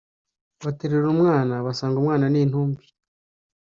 Baterura umwana basanga umwana ni intumbi.